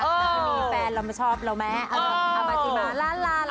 ตัวใจใจใดแฟนเราเอามาชอบเราแม